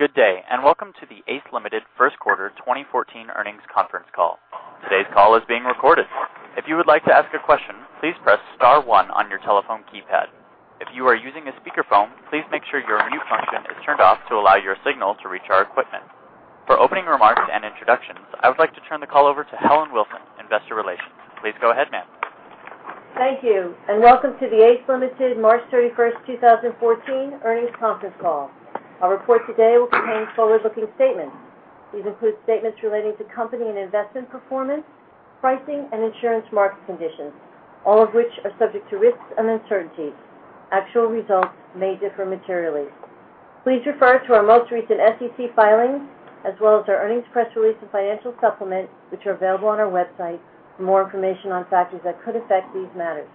Good day, and welcome to the ACE Limited first quarter 2014 earnings conference call. Today's call is being recorded. If you would like to ask a question, please press star one on your telephone keypad. If you are using a speakerphone, please make sure your mute function is turned off to allow your signal to reach our equipment. For opening remarks and introductions, I would like to turn the call over to Helen Wilson, investor relations. Please go ahead, ma'am. Thank you. Welcome to the ACE Limited March 31st, 2014 earnings conference call. Our report today will contain forward-looking statements. These include statements relating to company and investment performance, pricing, and insurance market conditions, all of which are subject to risks and uncertainties. Actual results may differ materially. Please refer to our most recent SEC filings as well as our earnings press release and financial supplement, which are available on our website for more information on factors that could affect these matters.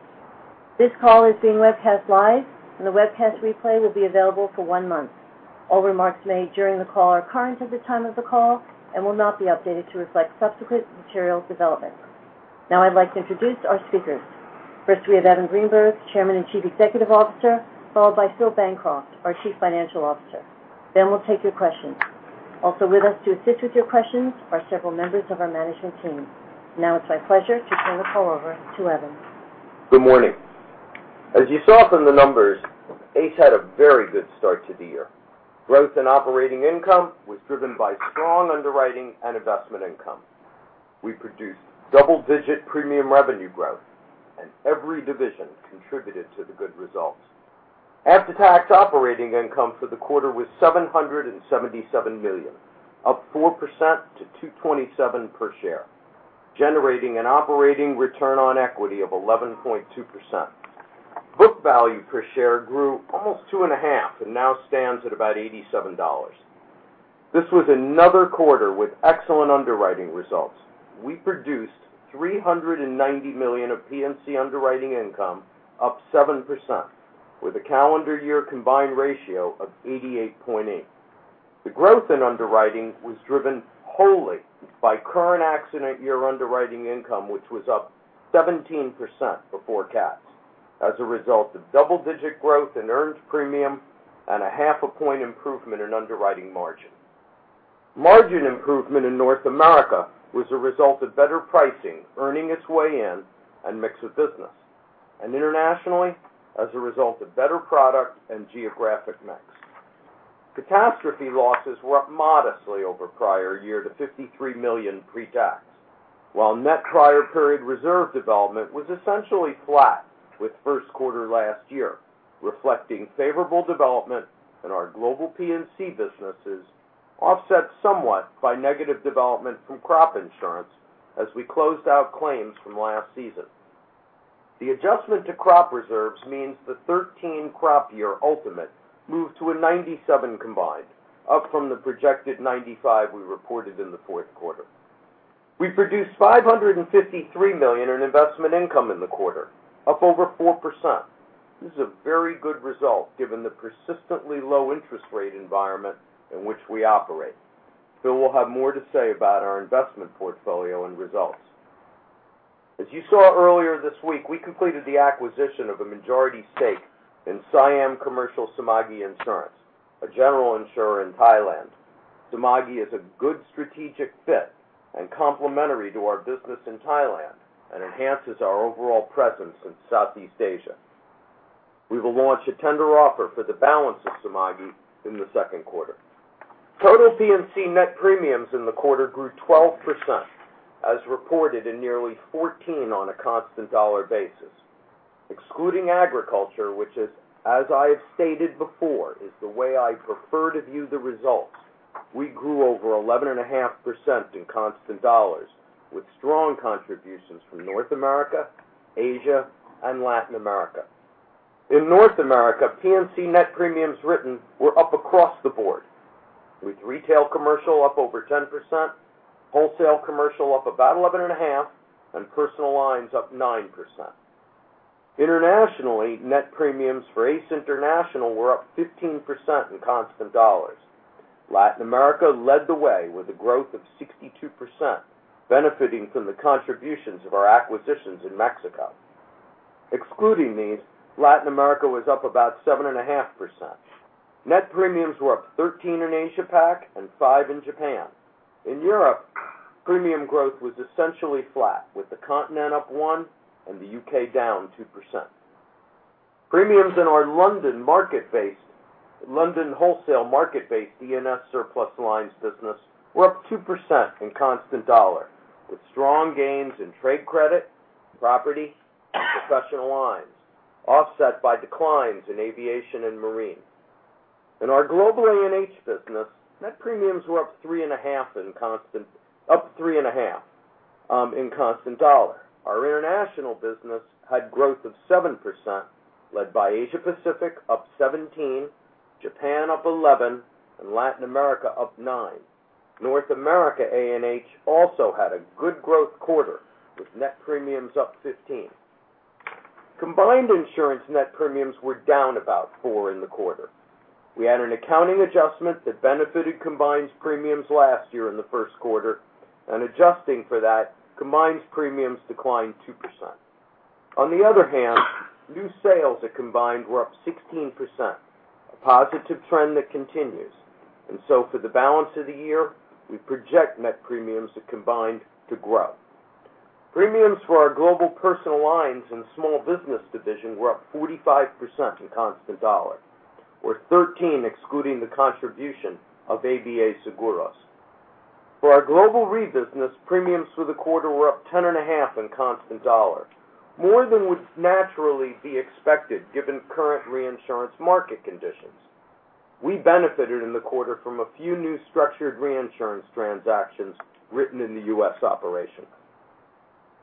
This call is being webcast live, and the webcast replay will be available for one month. All remarks made during the call are current at the time of the call and will not be updated to reflect subsequent material developments. Now I'd like to introduce our speakers. First, we have Evan Greenberg, Chairman and Chief Executive Officer, followed by Philip Bancroft, our Chief Financial Officer. We'll take your questions. Also with us to assist with your questions are several members of our management team. Now it's my pleasure to turn the call over to Evan. Good morning. As you saw from the numbers, ACE had a very good start to the year. Growth and operating income was driven by strong underwriting and investment income. We produced double-digit premium revenue growth. Every division contributed to the good results. After-tax operating income for the quarter was $777 million, up 4% to $2.27 per share, generating an operating return on equity of 11.2%. Book value per share grew almost two and a half and now stands at about $87. This was another quarter with excellent underwriting results. We produced $390 million of P&C underwriting income, up 7%, with a calendar year combined ratio of 88.8. The growth in underwriting was driven wholly by current accident year underwriting income, which was up 17% before CAT, as a result of double-digit growth in earned premium and a half a point improvement in underwriting margin. Margin improvement in North America was a result of better pricing, earning its way in, and mix of business, and internationally, as a result of better product and geographic mix. Catastrophe losses were up modestly over prior year to $53 million pre-tax, while net prior period reserve development was essentially flat with first quarter last year, reflecting favorable development in our global P&C businesses, offset somewhat by negative development from crop insurance as we closed out claims from last season. The adjustment to crop reserves means the 2013 crop year ultimate moved to a 97 combined, up from the projected 95 we reported in the fourth quarter. We produced $553 million in investment income in the quarter, up over 4%. This is a very good result given the persistently low interest rate environment in which we operate. Phil will have more to say about our investment portfolio and results. As you saw earlier this week, we completed the acquisition of a majority stake in Siam Commercial Samaggi Insurance, a general insurer in Thailand. Samaggi is a good strategic fit and complementary to our business in Thailand and enhances our overall presence in Southeast Asia. We will launch a tender offer for the balance of Samaggi in the second quarter. Total P&C net premiums in the quarter grew 12%, as reported in nearly 14% on a constant dollar basis. Excluding agriculture, which as I have stated before, is the way I prefer to view the results, we grew over 11.5% in constant dollars, with strong contributions from North America, Asia, and Latin America. In North America, P&C net premiums written were up across the board, with retail commercial up over 10%, wholesale commercial up about 11.5%, and personal lines up 9%. Internationally, net premiums for ACE International were up 15% in constant dollars. Latin America led the way with a growth of 62%, benefiting from the contributions of our acquisitions in Mexico. Excluding these, Latin America was up about 7.5%. Net premiums were up 13% in Asia Pac and 5% in Japan. In Europe, premium growth was essentially flat, with the continent up 1% and the U.K. down 2%. Premiums in our London wholesale market-based D&F surplus lines business were up 2% in constant dollars, with strong gains in trade credit, property, and professional lines, offset by declines in aviation and marine. In our global A&H business, net premiums were up 3.5% in constant dollars. Our international business had growth of 7%, led by Asia Pacific up 17%, Japan up 11%, and Latin America up 9%. North America A&H also had a good growth quarter, with net premiums up 15%. Combined Insurance net premiums were down about 4% in the quarter. We had an accounting adjustment that benefited Combined Insurance premiums last year in the first quarter, and adjusting for that, Combined Insurance premiums declined 2%. On the other hand, new sales are Combined Insurance were up 16%, a positive trend that continues. For the balance of the year, we project net premiums are Combined Insurance to grow. Premiums for our global personal lines and small business division were up 45% in constant dollars, or 13% excluding the contribution of ABA Seguros. For our global re-business, premiums for the quarter were up 10.5% in constant dollars, more than would naturally be expected given current reinsurance market conditions. We benefited in the quarter from a few new structured reinsurance transactions written in the U.S. operation.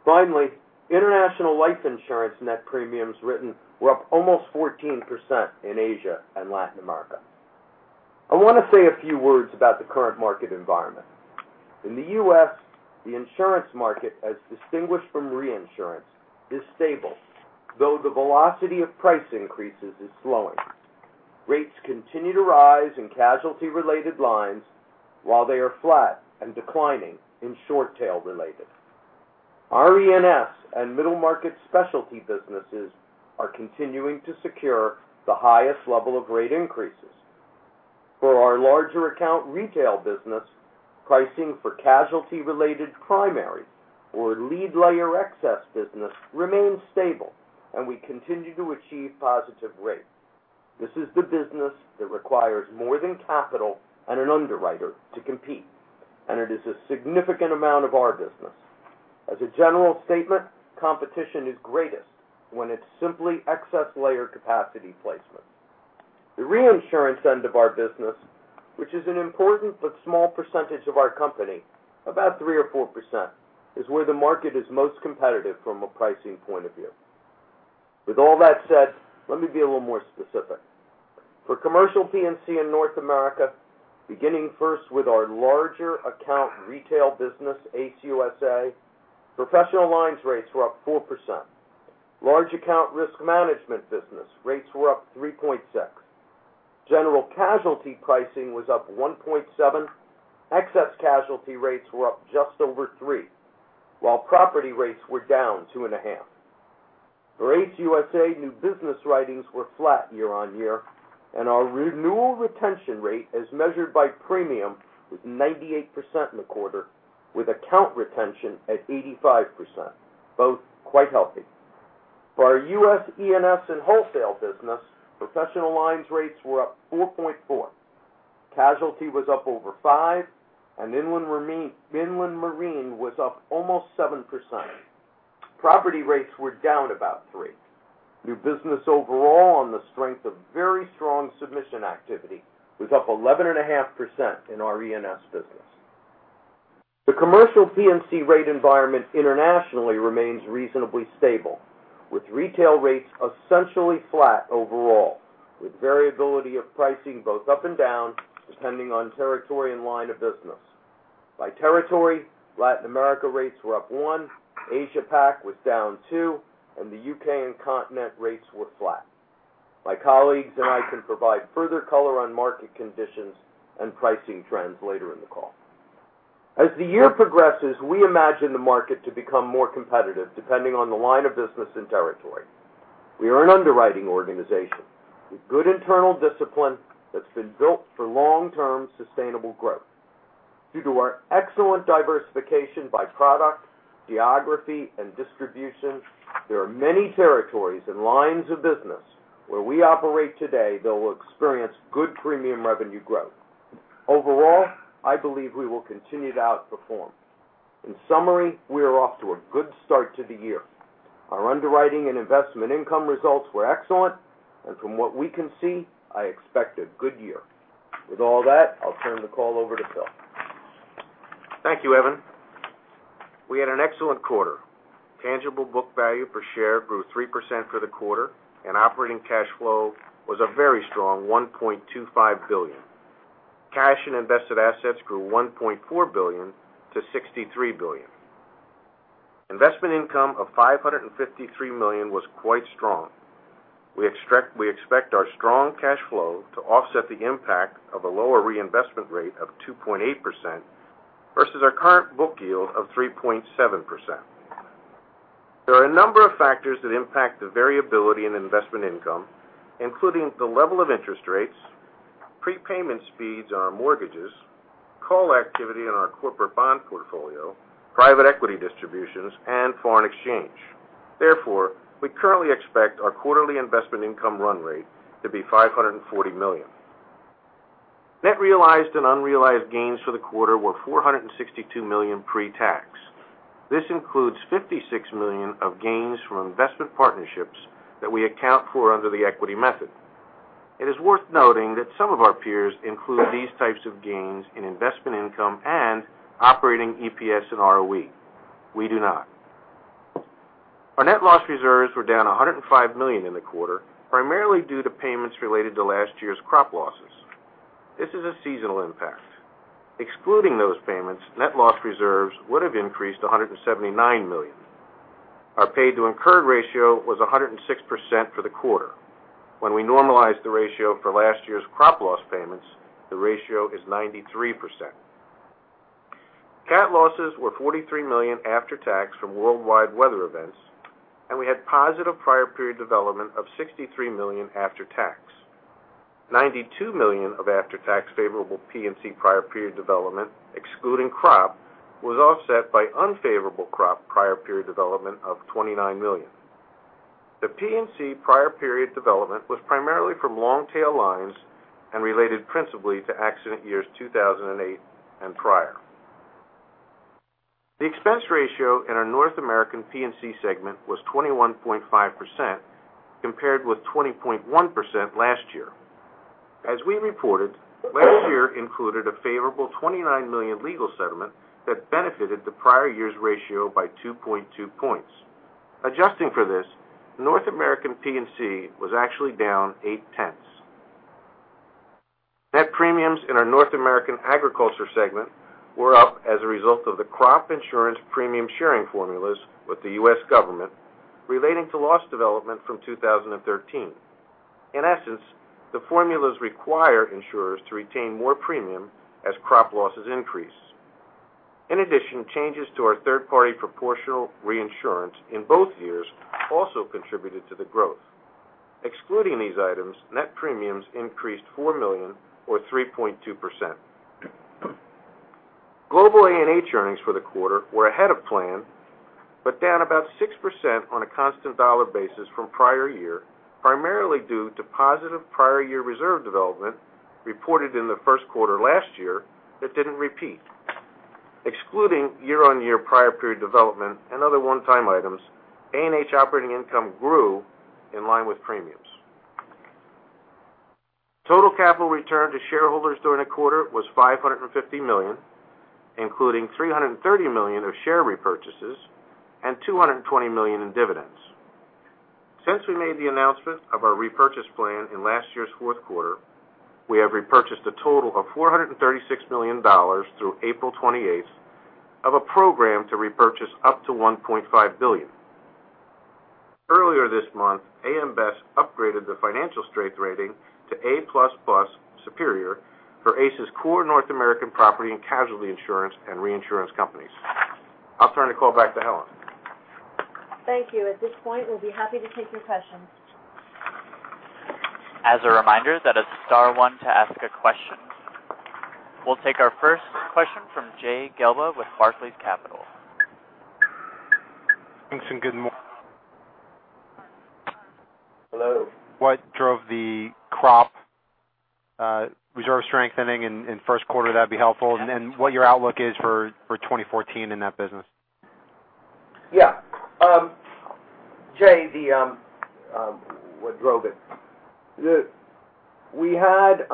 Finally, international life insurance net premiums written were up almost 14% in Asia and Latin America. I want to say a few words about the current market environment. In the U.S., the insurance market, as distinguished from reinsurance, is stable, though the velocity of price increases is slowing. Rates continue to rise in casualty-related lines, while they are flat and declining in short-tail related. E&S and middle market specialty businesses are continuing to secure the highest level of rate increases. For our larger account retail business, pricing for casualty-related primary or lead-layer excess business remains stable, and we continue to achieve positive rates. This is the business that requires more than capital and an underwriter to compete, and it is a significant amount of our business. As a general statement, competition is greatest when it's simply excess layer capacity placement. The reinsurance end of our business, which is an important but small percentage of our company, about 3% or 4%, is where the market is most competitive from a pricing point of view. With all that said, let me be a little more specific. For commercial P&C in North America, beginning first with our larger account retail business, ACE USA, professional lines rates were up 4%. Large account risk management business rates were up 3.6%. General casualty pricing was up 1.7%. Excess casualty rates were up just over 3%, while property rates were down 2.5%. For ACE USA, new business writings were flat year-on-year, and our renewal retention rate as measured by premium was 98% in the quarter, with account retention at 85%, both quite healthy. For our U.S. E&S and wholesale business, professional lines rates were up 4.4%. Casualty was up over 5%, and inland marine was up almost 7%. Property rates were down about 3%. New business overall on the strength of very strong submission activity was up 11.5% in our E&S business. The commercial P&C rate environment internationally remains reasonably stable, with retail rates essentially flat overall, with variability of pricing both up and down, depending on territory and line of business. By territory, Latin America rates were up 1%, Asia Pac was down 2%, and the U.K. and Continent rates were flat. My colleagues and I can provide further color on market conditions and pricing trends later in the call. As the year progresses, we imagine the market to become more competitive depending on the line of business and territory. We are an underwriting organization with good internal discipline that's been built for long-term sustainable growth. Due to our excellent diversification by product, geography, and distribution, there are many territories and lines of business where we operate today that will experience good premium revenue growth. Overall, I believe we will continue to outperform. In summary, we are off to a good start to the year. Our underwriting and investment income results were excellent, and from what we can see, I expect a good year. With all that, I'll turn the call over to Phil. Thank you, Evan. We had an excellent quarter. Tangible book value per share grew 3% for the quarter, and operating cash flow was a very strong $1.25 billion. Cash and invested assets grew $1.4 billion to $63 billion. Investment income of $553 million was quite strong. We expect our strong cash flow to offset the impact of a lower reinvestment rate of 2.8% versus our current book yield of 3.7%. There are a number of factors that impact the variability in investment income, including the level of interest rates, prepayment speeds on our mortgages, call activity on our corporate bond portfolio, private equity distributions, and foreign exchange. Therefore, we currently expect our quarterly investment income run rate to be $540 million. Net realized and unrealized gains for the quarter were $462 million pre-tax. This includes $56 million of gains from investment partnerships that we account for under the equity method. It is worth noting that some of our peers include these types of gains in investment income and operating EPS and ROE. We do not. Our net loss reserves were down $105 million in the quarter, primarily due to payments related to last year's crop losses. This is a seasonal impact. Excluding those payments, net loss reserves would have increased to $179 million. Our paid to incurred ratio was 106% for the quarter. We normalize the ratio for last year's crop loss payments, the ratio is 93%. CAT losses were $43 million after tax from worldwide weather events, and we had positive prior period development of $63 million after tax. $92 million of after-tax favorable P&C prior period development, excluding crop, was offset by unfavorable crop prior period development of $29 million. The P&C prior period development was primarily from long-tail lines and related principally to accident years 2008 and prior. The expense ratio in our North American P&C segment was 21.5%, compared with 20.1% last year. As we reported, last year included a favorable $29 million legal settlement that benefited the prior year's ratio by 2.2 points. Adjusting for this, North American P&C was actually down 0.8. Net premiums in our North American agriculture segment were up as a result of the crop insurance premium sharing formulas with the U.S. government relating to loss development from 2013. In essence, the formulas require insurers to retain more premium as crop losses increase. In addition, changes to our third-party proportional reinsurance in both years also contributed to the growth. Excluding these items, net premiums increased $4 million or 3.2%. Global A&H earnings for the quarter were ahead of plan, down about 6% on a constant dollar basis from prior year, primarily due to positive prior year reserve development reported in the first quarter last year that didn't repeat. Excluding year-on-year prior period development and other one-time items, A&H operating income grew in line with premiums. Total capital return to shareholders during the quarter was $550 million, including $330 million of share repurchases and $220 million in dividends. Since we made the announcement of our repurchase plan in last year's fourth quarter, we have repurchased a total of $436 million through April 28th of a program to repurchase up to $1.5 billion. Earlier this month, AM Best upgraded the financial strength rating to A++ superior for ACE's core North American property and casualty insurance and reinsurance companies. I'll turn the call back to Helen. Thank you. At this point, we'll be happy to take your questions. As a reminder, that is star one to ask a question. We'll take our first question from Jay Gelb with Barclays Capital. Thanks. Good morning. Hello. What drove the crop reserve strengthening in first quarter? That'd be helpful. What your outlook is for 2014 in that business. Yeah. Jay, what drove it. We had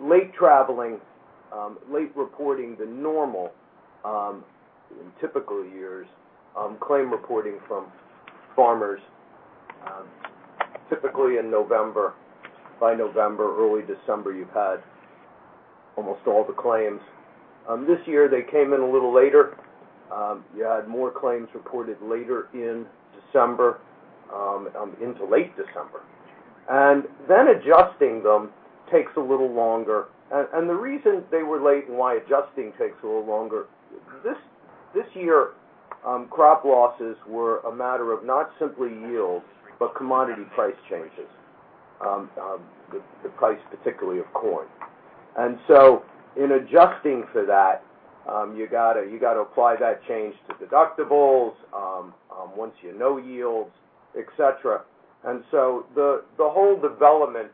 late traveling, late reporting than normal in typical years, claim reporting from farmers. Typically in November, by November, early December, you've had almost all the claims. This year they came in a little later. You had more claims reported later in December, into late December. Adjusting them takes a little longer. The reason they were late and why adjusting takes a little longer, this year, crop losses were a matter of not simply yields, but commodity price changes, the price particularly of corn. In adjusting for that, you got to apply that change to deductibles once you know yields, et cetera. The whole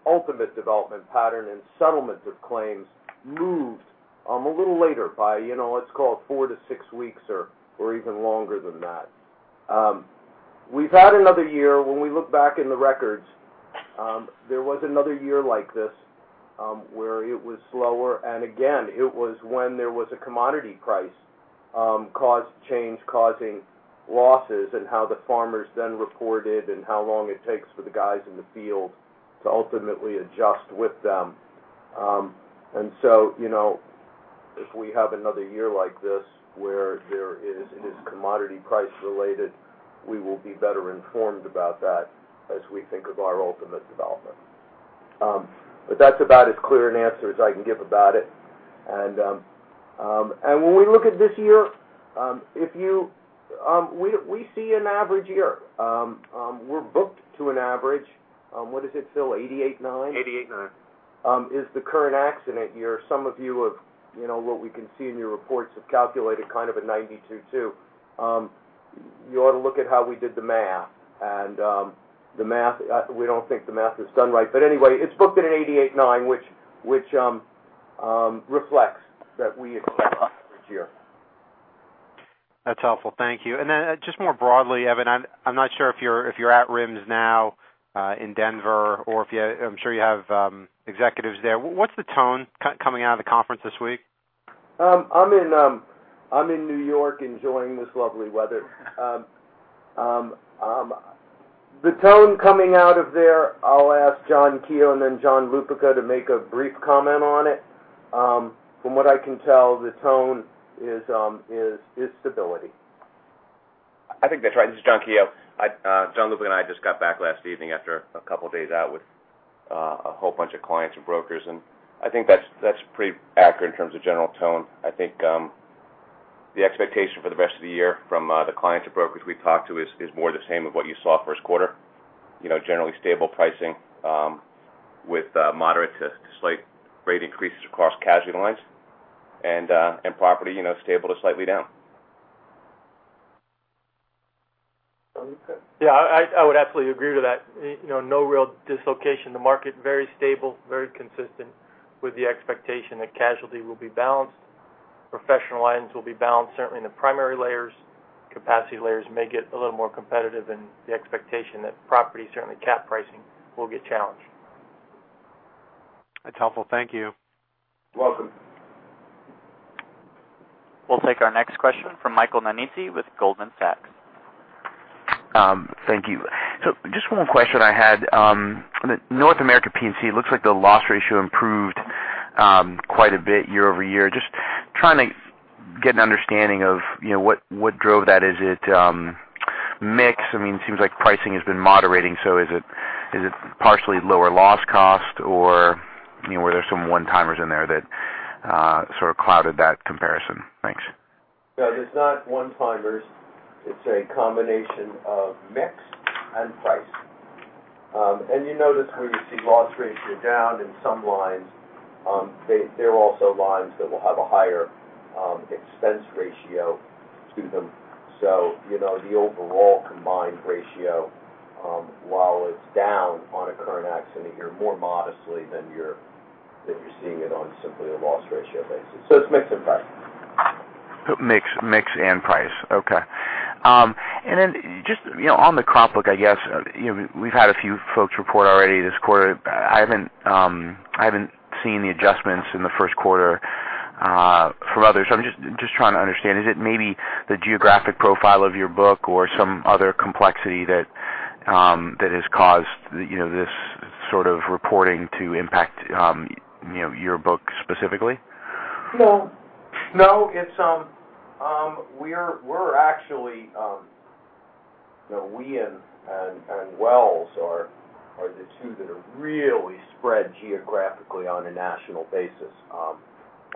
ultimate development pattern and settlement of claims moves a little later by let's call it 4 to 6 weeks or even longer than that. We've had another year, when we look back in the records, there was another year like this where it was slower, and again, it was when there was a commodity price change causing losses and how the farmers then reported and how long it takes for the guys in the field to ultimately adjust with them. If we have another year like this where it is commodity price related, we will be better informed about that as we think of our ultimate development. That's about as clear an answer as I can give about it. When we look at this year, we see an average year. We're booked to an average. What is it, Phil, 88.9? 88.9. Is the current accident year. Some of you have, what we can see in your reports, have calculated kind of a 92 too. You ought to look at how we did the math. We don't think the math is done right. Anyway, it's booked at an 88.9, which reflects that we expect an average year. That's helpful. Thank you. Just more broadly, Evan, I'm not sure if you're at RIMS now in Denver, I'm sure you have executives there. What's the tone coming out of the conference this week? I'm in New York enjoying this lovely weather. The tone coming out of there, I'll ask John Keogh and then John Lupica to make a brief comment on it. From what I can tell, the tone is stability I think that's right. This is John Keogh. John Lupica and I just got back last evening after a couple of days out with a whole bunch of clients and brokers. I think that's pretty accurate in terms of general tone. I think the expectation for the rest of the year from the clients or brokers we've talked to is more the same of what you saw first quarter. Generally stable pricing with moderate to slight rate increases across casualty lines. Property, stable to slightly down. John Lupica? Yeah, I would absolutely agree to that. No real dislocation. The market, very stable, very consistent with the expectation that casualty will be balanced, professional lines will be balanced, certainly in the primary layers. Capacity layers may get a little more competitive. The expectation that property, certainly CAT pricing, will get challenged. That's helpful. Thank you. You're welcome. We'll take our next question from Michael Nannizzi with Goldman Sachs. Thank you. Just one question I had. North America P&C, looks like the loss ratio improved quite a bit year-over-year. Just trying to get an understanding of what drove that. Is it mix? It seems like pricing has been moderating, is it partially lower loss cost, or were there some one-timers in there that sort of clouded that comparison? Thanks. No, it's not one-timers. It's a combination of mix and price. You notice where you see loss ratio down in some lines, there are also lines that will have a higher expense ratio to them. The overall combined ratio, while it's down on a current accident year more modestly than you're seeing it on simply a loss ratio basis. It's mix and price. Mix and price. Okay. Then, just on the crop book, I guess, we've had a few folks report already this quarter. I haven't seen the adjustments in the first quarter from others. I'm just trying to understand, is it maybe the geographic profile of your book or some other complexity that has caused this sort of reporting to impact your book specifically? No. We're actually, we and Wells are the two that are really spread geographically on a national basis. Right.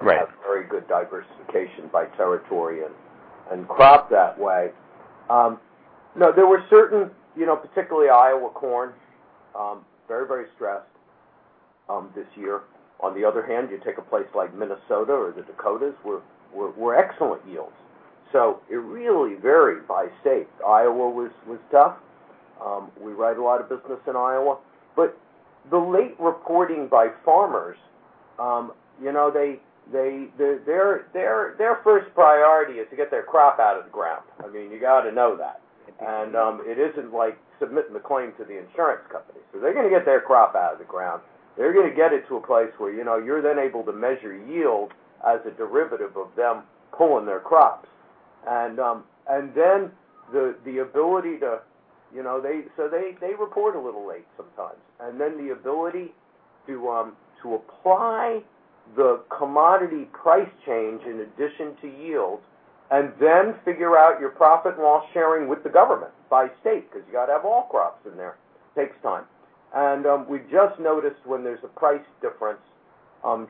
We have very good diversification by territory and crop that way. There were certain, particularly Iowa corn, very stressed this year. On the other hand, you take a place like Minnesota or the Dakotas, were excellent yields. It really varied by state. Iowa was tough. We write a lot of business in Iowa. The late reporting by farmers, their first priority is to get their crop out of the ground. You got to know that. It isn't like submitting the claim to the insurance company. They're going to get their crop out of the ground. They're going to get it to a place where you're then able to measure yield as a derivative of them pulling their crops. They report a little late sometimes. The ability to apply the commodity price change in addition to yield and then figure out your profit and loss sharing with the government by state, because you got to have all crops in there, takes time. We just noticed when there's a price difference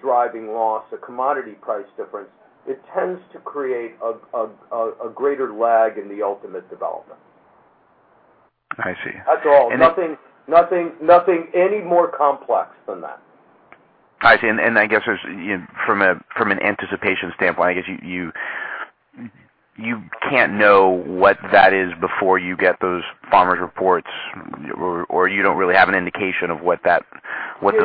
driving loss, a commodity price difference, it tends to create a greater lag in the ultimate development. I see. That's all. Nothing any more complex than that. I see. I guess from an anticipation standpoint, I guess you can't know what that is before you get those farmers' reports, or you don't really have an indication of what those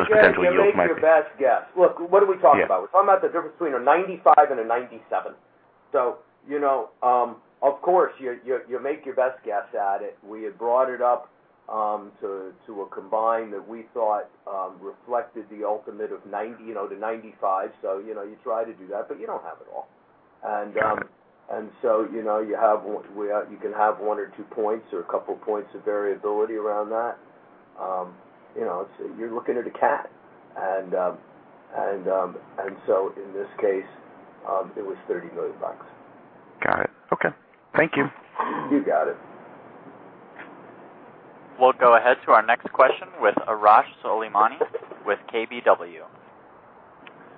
potential yields might be. You make your best guess. Look, what are we talking about? Yeah. We're talking about the difference between a 95 and a 97. Of course, you make your best guess at it. We had brought it up to a combine that we thought reflected the ultimate of the 95. You try to do that, but you don't have it all. Got it. You can have one or two points or a couple of points of variability around that. You're looking at a CAT, and so in this case, it was $30 million. Got it. Okay. Thank you. You got it. We'll go ahead to our next question with Arash Soleimani with KBW.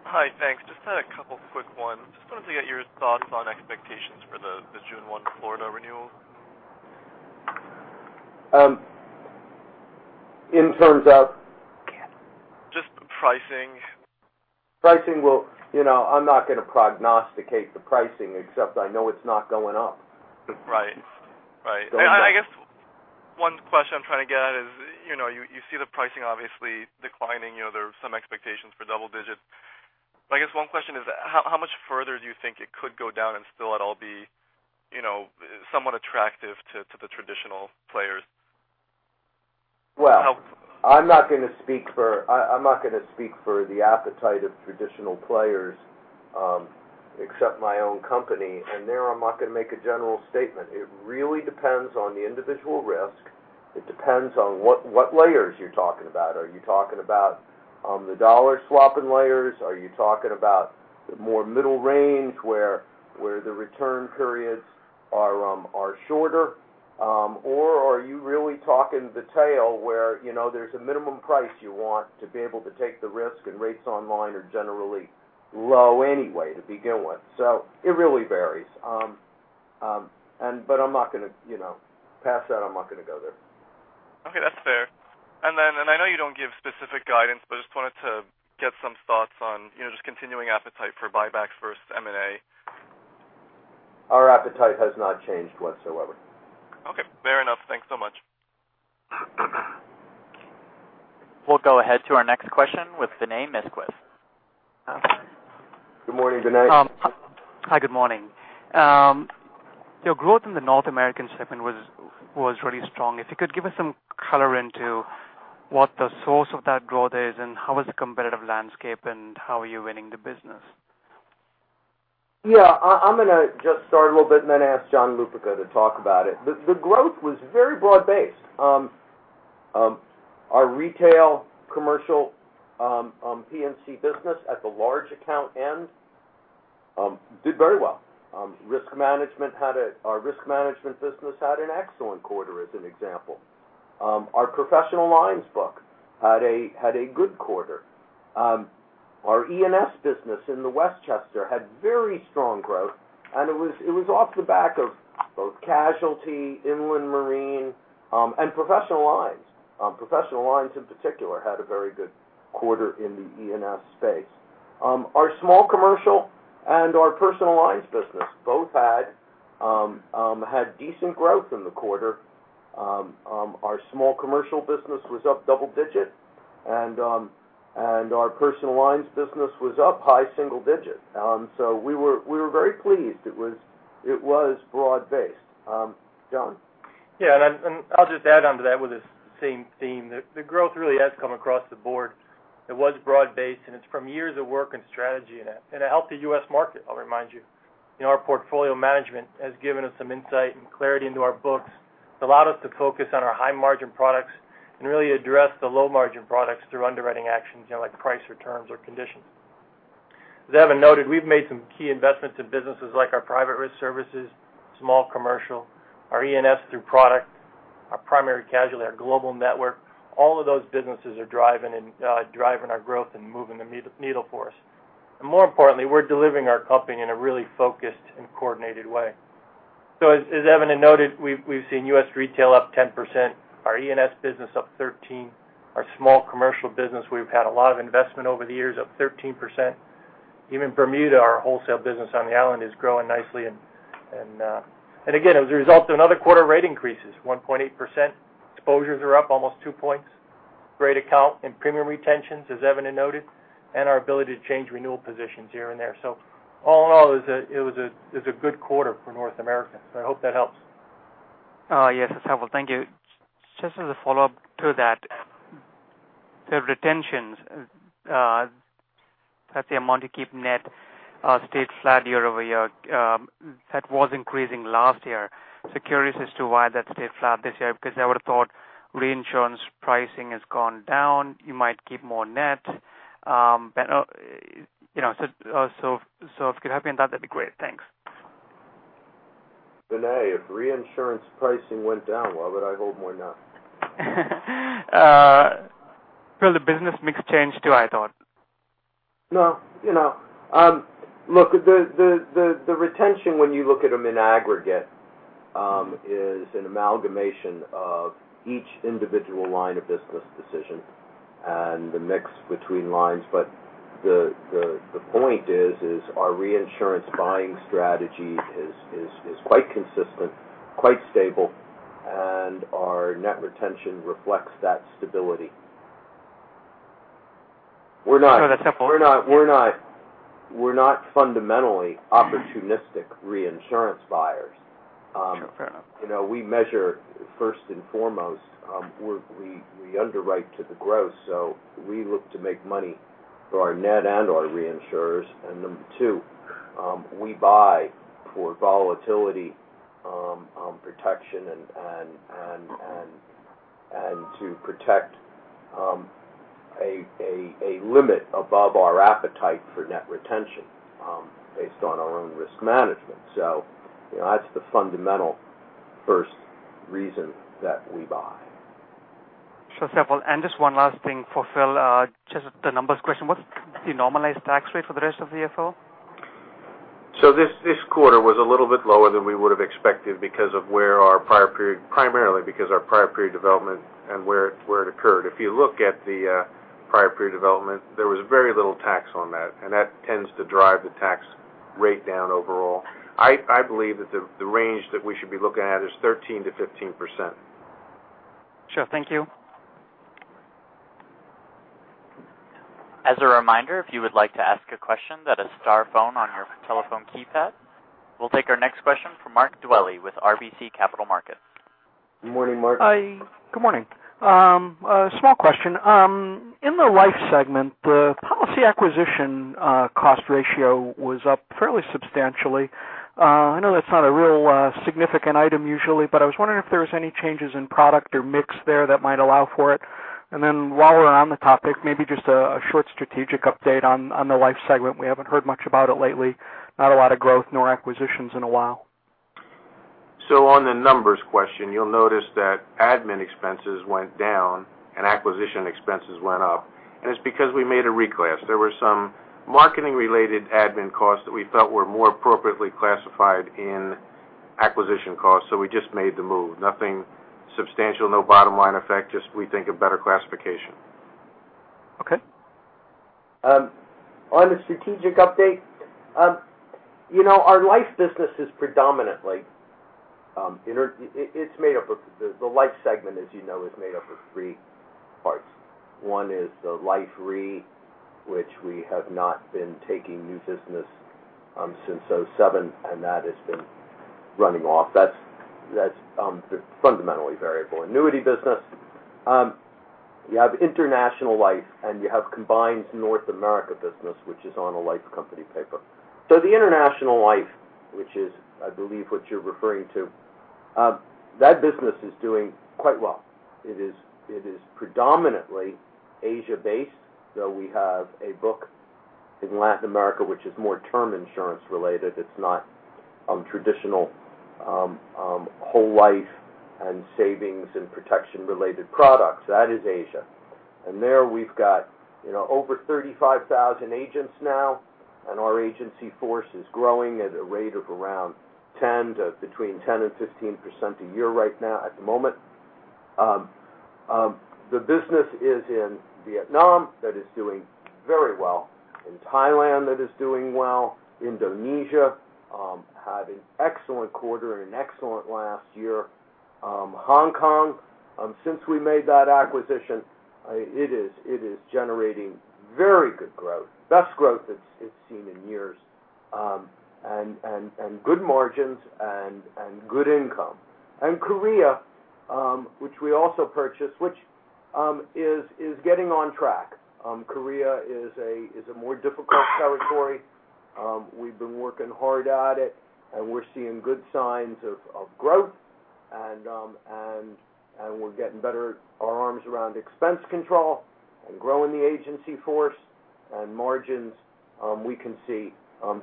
Hi, thanks. Just a couple quick ones. Just wanted to get your thoughts on expectations for the June 1 Florida renewal. In terms of? Just pricing. Pricing. Well, I'm not going to prognosticate the pricing, except I know it's not going up. Right. I guess one question I'm trying to get at is, you see the pricing obviously declining. There are some expectations for double digits. I guess one question is, how much further do you think it could go down and still it all be somewhat attractive to the traditional players? Well, I'm not going to speak for the appetite of traditional players except my own company. There, I'm not going to make a general statement. It really depends on the individual risk. It depends on what layers you're talking about. Are you talking about the dollar swapping layers? Are you talking about the more middle range, where the return periods are shorter? Are you really talking the tail where there's a minimum price you want to be able to take the risk, and rates online are generally low anyway to begin with? It really varies. Past that, I'm not going to go there. Okay, that's fair. Then, I know you don't give specific guidance, but just wanted to get some thoughts on just continuing appetite for buybacks versus M&A. Our appetite has not changed whatsoever. Okay, fair enough. Thanks so much. We'll go ahead to our next question with Vinay Misquith. Good morning, Vinay. Hi, good morning. Your growth in the North American segment was really strong. If you could give us some color into what the source of that growth is, and how is the competitive landscape, and how are you winning the business? Yeah. I'm going to just start a little bit and then ask John Lupica to talk about it. The growth was very broad based. Our retail commercial P&C business at the large account end did very well. Our risk management business had an excellent quarter, as an example. Our professional lines book had a good quarter. Our E&S business in the Westchester had very strong growth, and it was off the back of both casualty, inland marine, and professional lines. Professional lines in particular, had a very good quarter in the E&S space. Our small commercial and our personal lines business both had decent growth in the quarter. Our small commercial business was up double-digit, and our personal lines business was up high single-digit. We were very pleased. It was broad based. John? Yeah, I'll just add onto that with the same theme. The growth really has come across the board. It was broad-based, and it's from years of work and strategy, and a healthy U.S. market, I'll remind you. Our portfolio management has given us some insight and clarity into our books. It allowed us to focus on our high margin products and really address the low margin products through underwriting actions, like price or terms or conditions. As Evan noted, we've made some key investments in businesses like our Personal Risk Services, small commercial, our E&S through product, our primary casualty, our global network. All of those businesses are driving our growth and moving the needle for us. More importantly, we're delivering our company in a really focused and coordinated way. As Evan had noted, we've seen U.S. retail up 10%, our E&S business up 13%, our small commercial business, we've had a lot of investment over the years, up 13%. Even Bermuda, our wholesale business on the island, is growing nicely. Again, as a result of another quarter rate increases, 1.8%, exposures are up almost two points. Great account in premium retentions, as Evan had noted, and our ability to change renewal positions here and there. All in all, it's a good quarter for North America, I hope that helps. Yes, it's helpful. Thank you. Just as a follow-up to that, the retentions, that's the amount you keep net, stayed flat year-over-year. That was increasing last year. Curious as to why that stayed flat this year, because I would've thought reinsurance pricing has gone down, you might keep more net. If you could help me on that'd be great. Thanks. Vinay, if reinsurance pricing went down, why would I hold more net? Well, the business mix changed too, I thought. No. Look, the retention, when you look at them in aggregate, is an amalgamation of each individual line of business decision and the mix between lines. The point is our reinsurance buying strategy is quite consistent, quite stable, and our net retention reflects that stability. Sure, that's helpful. We're not fundamentally opportunistic reinsurance buyers. Sure. Fair enough. We measure first and foremost, we underwrite to the gross. We look to make money for our net and our reinsurers. Number two, we buy for volatility on protection and to protect a limit above our appetite for net retention based on our own risk management. That's the fundamental first reason that we buy. Sure. It's helpful. Just one last thing for Phil, just the numbers question, what's the normalized tax rate for the rest of the year, Phil? This quarter was a little bit lower than we would've expected primarily because our prior period development and where it occurred. If you look at the prior period development, there was very little tax on that tends to drive the tax rate down overall. I believe that the range that we should be looking at is 13%-15%. Sure. Thank you. As a reminder, if you would like to ask a question, that is star one on your telephone keypad. We'll take our next question from Mark Dwelle with RBC Capital Markets. Good morning, Mark. Hi. Good morning. A small question. In the life segment, the policy acquisition cost ratio was up fairly substantially. I know that's not a real significant item usually, but I was wondering if there was any changes in product or mix there that might allow for it. While we're on the topic, maybe just a short strategic update on the life segment. We haven't heard much about it lately, not a lot of growth nor acquisitions in a while. On the numbers question, you'll notice that admin expenses went down and acquisition expenses went up. It's because we made a reclass. There were some marketing related admin costs that we felt were more appropriately classified in acquisition costs, so we just made the move. Nothing substantial, no bottom-line effect, just we think a better classification. Okay. On the strategic update, our life business is The life segment, as you know, is made up of three parts. One is the life re, which we have not been taking new business since 2007, and that has been running off. That's the fundamentally variable annuity business. You have international life and you have combined North America business, which is on a life company paper. The international life, which is I believe what you're referring to, that business is doing quite well. It is predominantly Asia-based, though we have a book in Latin America, which is more term insurance related. It's not traditional whole life and savings and protection related products. That is Asia. There we've got over 35,000 agents now, and our agency force is growing at a rate of around 10 to between 10% and 15% a year right now at the moment. The business is in Vietnam, that is doing very well. In Thailand, that is doing well. Indonesia had an excellent quarter and an excellent last year. Hong Kong, since we made that acquisition, it is generating very good growth, best growth it's seen in years, good margins and good income. Korea, which we also purchased, which is getting on track. Korea is a more difficult territory. We've been working hard at it, and we're seeing good signs of growth and we're getting better our arms around expense control and growing the agency force and margins we can see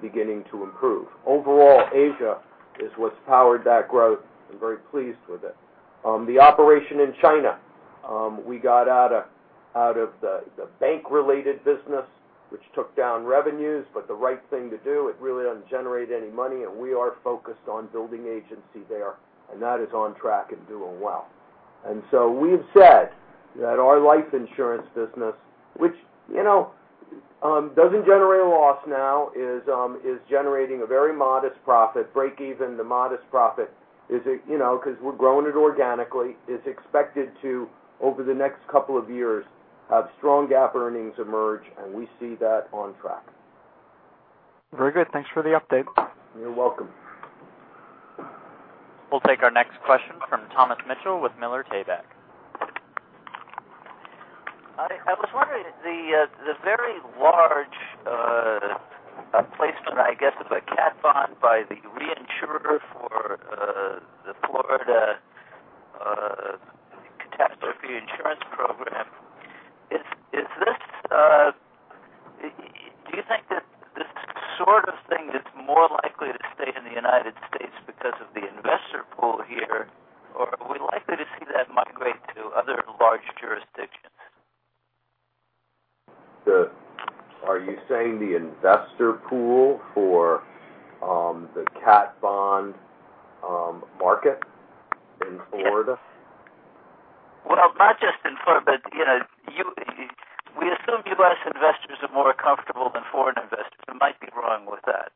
beginning to improve. Overall, Asia is what's powered that growth and very pleased with it. The operation in China, we got out of the bank related business, which took down revenues, the right thing to do. It really doesn't generate any money, we are focused on building agency there, and that is on track and doing well. We have said that our life insurance business, which doesn't generate a loss now, is generating a very modest profit, breakeven to modest profit because we're growing it organically. It's expected to, over the next couple of years, have strong GAAP earnings emerge, and we see that on track. Very good. Thanks for the update. You're welcome. We'll take our next question from Thomas Mitchell with Miller Tabak. I was wondering, the very large placement, I guess, of a cat bond by the reinsurer for the Florida Catastrophe Insurance program, do you think that this sort of thing is more likely to stay in the United States because of the investor pool here? Or are we likely to see that migrate to other large jurisdictions? Are you saying the investor pool for the cat bond market in Florida? Well, not just in Florida, but we assume U.S. investors are more comfortable than foreign investors. We might be wrong with that.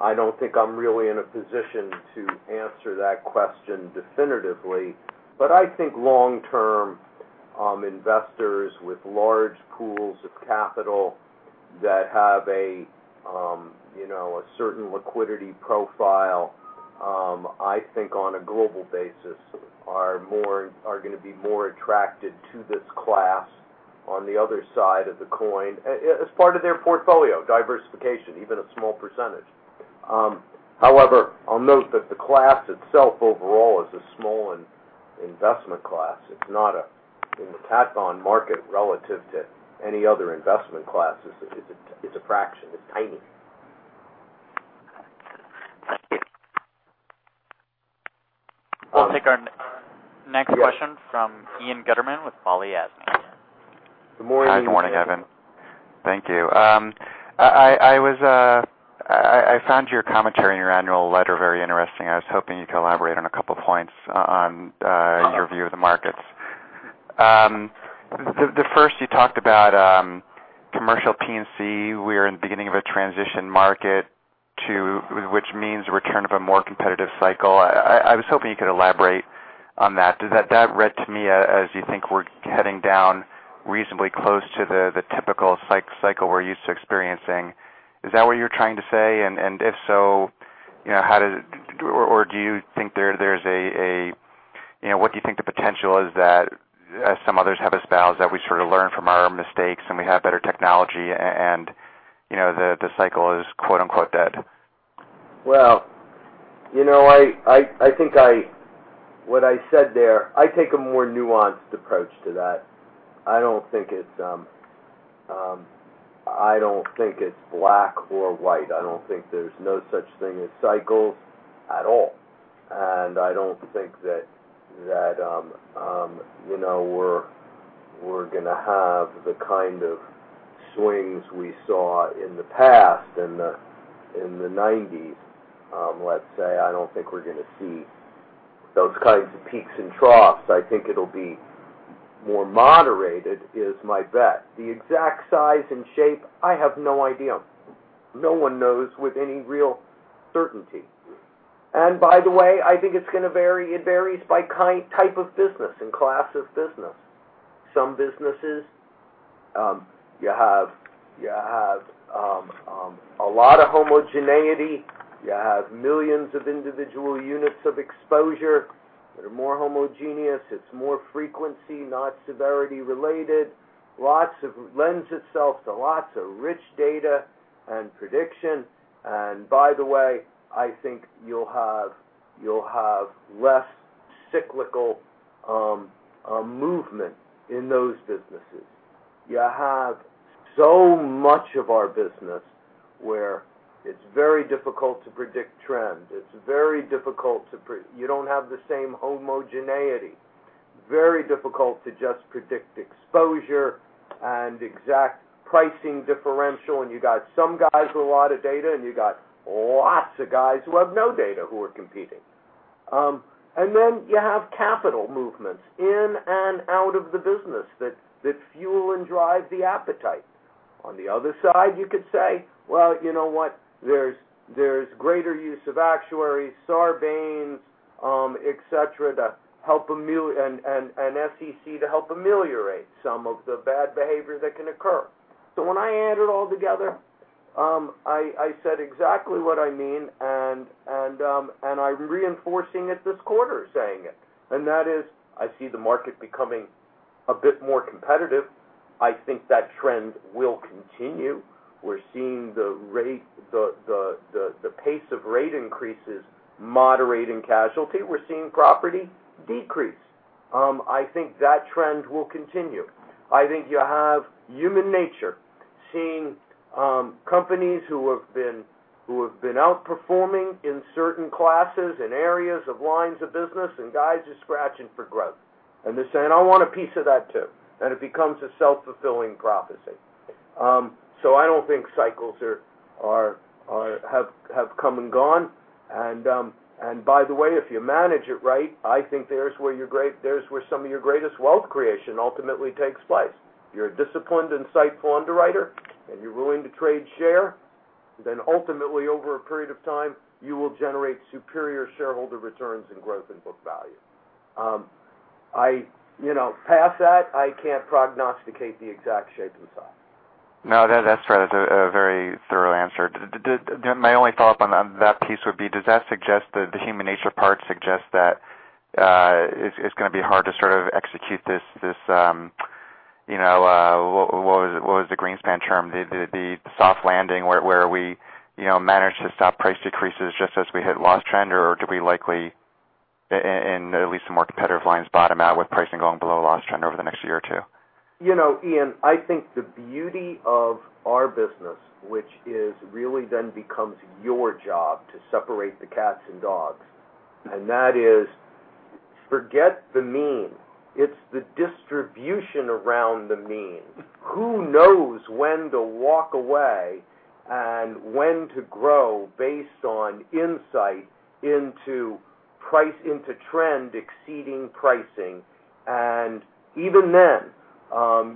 I don't think I'm really in a position to answer that question definitively, but I think long term investors with large pools of capital that have a certain liquidity profile, I think on a global basis, are going to be more attracted to this class on the other side of the coin as part of their portfolio diversification, even a small percentage. However, I'll note that the class itself overall is a small investment class. In the cat bond market relative to any other investment class, it's a fraction. It's tiny. We'll take our next question from Ian Gutterman with Balyasny. Good morning, Ian. Hi. Good morning, Evan. Thank you. I found your commentary in your annual letter very interesting. I was hoping you could elaborate on a couple points on your view of the markets. The first you talked about commercial P&C. We're in the beginning of a transition market, which means return of a more competitive cycle. I was hoping you could elaborate on that. That read to me as you think we're heading down reasonably close to the typical cycle we're used to experiencing. Is that what you're trying to say? What do you think the potential is that, as some others have espoused, that we sort of learn from our mistakes and we have better technology and the cycle is quote unquote dead? Well, I think what I said there, I take a more nuanced approach to that. I don't think it's black or white. I don't think there's no such thing as cycles at all. I don't think that we're going to have the kind of swings we saw in the past in the '90s, let's say. I don't think we're going to see those kinds of peaks and troughs. I think it'll be more moderated, is my bet. The exact size and shape, I have no idea. No one knows with any real certainty. By the way, I think it's going to vary. It varies by type of business and class of business. Some businesses, you have a lot of homogeneity. You have millions of individual units of exposure that are more homogeneous. It's more frequency, not severity related. Lends itself to lots of rich data and prediction. By the way, I think you'll have less cyclical movement in those businesses. You have so much of our business where it's very difficult to predict trend. You don't have the same homogeneity. Very difficult to just predict exposure and exact pricing differential, and you got some guys with a lot of data, and you got lots of guys who have no data who are competing. Then you have capital movements in and out of the business that fuel and drive the appetite. On the other side, you could say, well, you know what? There's greater use of actuaries, Sarbanes, et cetera, and SEC to help ameliorate some of the bad behavior that can occur. When I add it all together, I said exactly what I mean, and I'm reinforcing it this quarter saying it. That is, I see the market becoming a bit more competitive. I think that trend will continue. We're seeing the pace of rate increases moderate in casualty. We're seeing property decrease. I think that trend will continue. I think you have human nature, seeing companies who have been outperforming in certain classes and areas of lines of business, and guys are scratching for growth. They're saying, "I want a piece of that, too." It becomes a self-fulfilling prophecy. I don't think cycles have come and gone. By the way, if you manage it right, I think there's where some of your greatest wealth creation ultimately takes place. If you're a disciplined, insightful underwriter and you're willing to trade share, then ultimately, over a period of time, you will generate superior shareholder returns and growth in book value. Past that, I can't prognosticate the exact shape and size. No, that's fair. That's a very thorough answer. My only follow-up on that piece would be, does the human nature part suggest that it's going to be hard to sort of execute this, what was the Greenspan term, the soft landing, where we manage to stop price decreases just as we hit loss trend? Or do we likely, in at least more competitive lines, bottom out with pricing going below loss trend over the next year or two? Ian, I think the beauty of our business, which is really then becomes your job to separate the cats and dogs, that is forget the mean. It's the distribution around the mean. Who knows when to walk away and when to grow based on insight into trend exceeding pricing, and even then,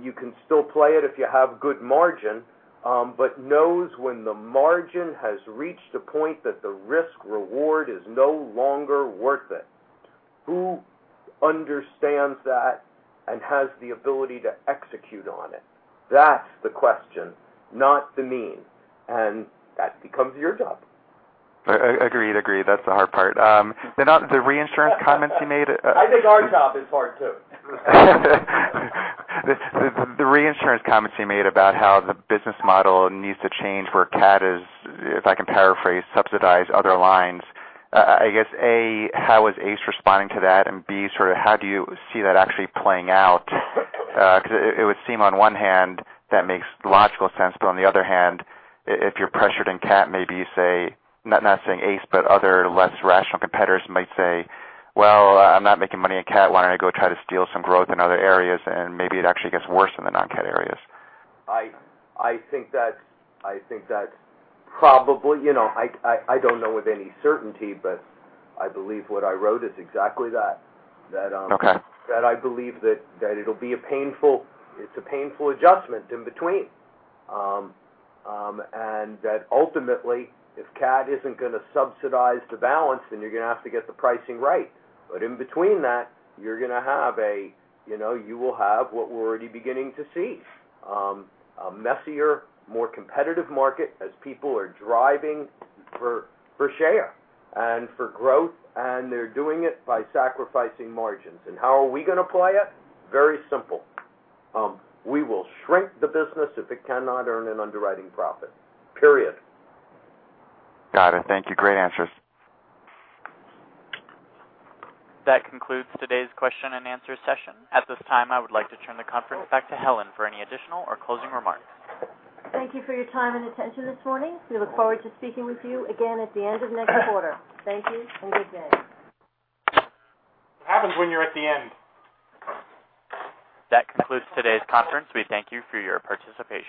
you can still play it if you have good margin, but knows when the margin has reached a point that the risk/reward is no longer worth it. Who understands that and has the ability to execute on it? That's the question, not the mean. That becomes your job. Agreed. Agreed. That's the hard part. The reinsurance comments you made- I think our job is hard, too. The reinsurance comments you made about how the business model needs to change where CAT is, if I can paraphrase, subsidize other lines. I guess, A, how is ACE responding to that, and B, sort of how do you see that actually playing out? It would seem on one hand that makes logical sense. On the other hand, if you're pressured in CAT, maybe you say, not saying ACE, but other less rational competitors might say, "Well, I'm not making money in CAT. Why don't I go try to steal some growth in other areas?" Maybe it actually gets worse in the non-CAT areas. I think that's probably, I don't know with any certainty, but I believe what I wrote is exactly that. Okay. That I believe that it's a painful adjustment in between. That ultimately, if CAT isn't going to subsidize the balance, then you're going to have to get the pricing right. In between that, you will have what we're already beginning to see, a messier, more competitive market as people are driving for share and for growth, and they're doing it by sacrificing margins. How are we going to play it? Very simple. We will shrink the business if it cannot earn an underwriting profit, period. Got it. Thank you. Great answers. That concludes today's question and answer session. At this time, I would like to turn the conference back to Helen for any additional or closing remarks. Thank you for your time and attention this morning. We look forward to speaking with you again at the end of next quarter. Thank you and good day. It happens when you're at the end. That concludes today's conference. We thank you for your participation.